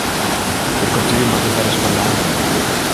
De kultuer moat it wer ris belije.